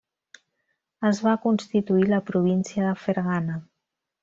Es va constituir la província de Fergana.